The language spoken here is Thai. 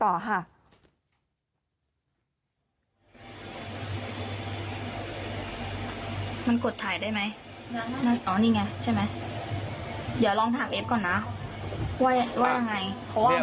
มันกดถ่ายได้ไหมอ๋อนี่ไงใช่ไหมเดี๋ยวลองถามเอฟก่อนนะว่ายังไงเพราะว่า